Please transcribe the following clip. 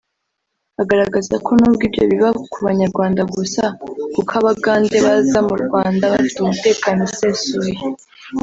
agaragaza ko nubwo ibyo biba ku banyarwanda gusa kuko abagande baza mu Rwanda bafite umutekano usesuye